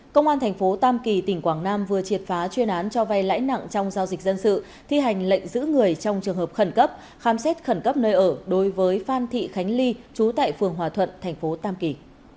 công an thành phố tam kỳ tỉnh quảng nam vừa triệt phá chuyên án cho vay lãi nặng trong giao dịch dân sự thi hành lệnh giữ người trong trường hợp khẩn cấp khám xét khẩn cấp nơi ở đối với phan thị khánh ly trú tại phường hòa thuận thành phố tam kỳ